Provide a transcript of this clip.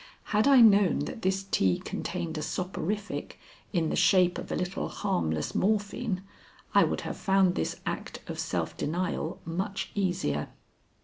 Had I known that this tea contained a soporific in the shape of a little harmless morphine, I would have found this act of self denial much easier.